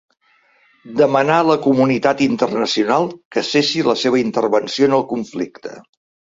Demanar a la Comunitat Internacional que cessi la seva intervenció en el conflicte.